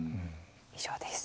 以上です。